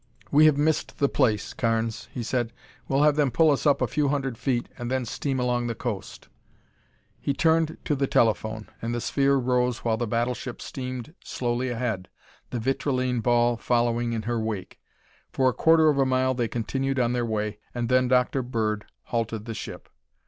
"We have missed the place, Carnes," he said. "We'll have them pull us up a few hundred feet and then steam along the coast." He turned to the telephone and the sphere rose while the battleship steamed slowly ahead, the vitrilene ball following in her wake. For a quarter of a mile they continued on their way, and then Dr. Bird halted the ship.